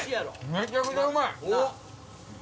めちゃくちゃうまい！